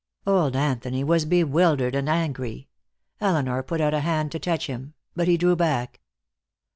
Old Anthony was bewildered and angry. Elinor put out a hand to touch him, but he drew back.